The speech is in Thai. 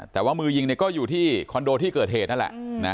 แต่ว่ามือยิงก็อยู่ที่คอนโดที่เกิดเหตุนั่นแหละ